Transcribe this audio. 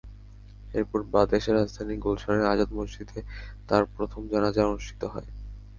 এরপর বাদ এশা রাজধানীর গুলশানের আজাদ মসজিদে তাঁর প্রথম জানাজা অনুষ্ঠিত হয়।